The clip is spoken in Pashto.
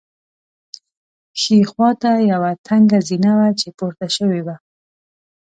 ښي خوا ته یوه تنګه زینه وه چې پورته شوې وه.